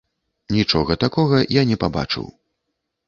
Нічога такога я не пабачыў.